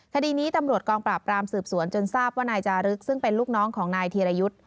คดีนี้ตำรวจกองปราบรามสืบสวนจนทราบว่านายจารึกซึ่งเป็นลูกน้องของนายธีรยุทธ์